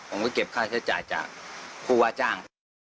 ผมก็เก็บค่าใช้จ่ายจากผู้ว่าจ้าง